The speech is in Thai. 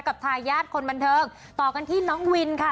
ทายาทคนบันเทิงต่อกันที่น้องวินค่ะ